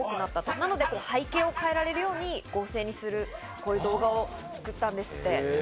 なので背景を変えられるように合成する動画を作ったんですって。